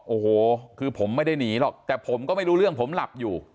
โอ้โหคือผมไม่ได้หนีหรอกแต่ผมก็ไม่รู้เรื่องผมหลับอยู่